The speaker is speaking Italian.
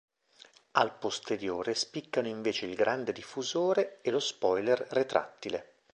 Al posteriore spiccano invece il grande diffusore e lo spoiler retrattile.